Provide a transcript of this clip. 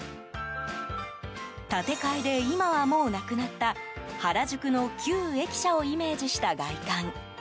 建て替えで今はもうなくなった原宿の旧駅舎をイメージした外観。